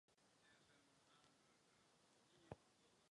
Byl mu udělen čestný doktorát v rodném městě Spokane.